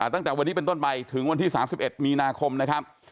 ตั้งแต่วันนี้เป็นต้นใบถึงวันที่สามสิบเอ็ดมีนาคมนะครับ